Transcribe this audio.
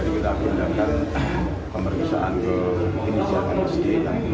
betul memang dari tadi kita menggunakan pemeriksaan ke indonesia dan msd